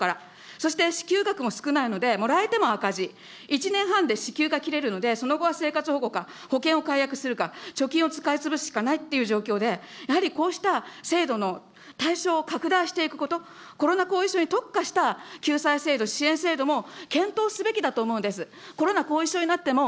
そして支給額も少ないので、もらえても赤字、１年半で支給が切れるのでその後は生活保護か、保険を貯金を使うしかないという状況で、やはりこうした制度の対象を拡大していくこと、コロナ後遺症に特化した救済制度、支援制度も検討すべきだと思うんです。